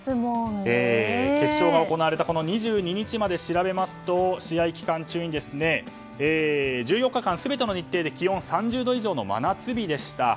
決勝が行われた２２日まで調べますと試合期間中に１４日間全ての日程で気温３０度以上の真夏日でした。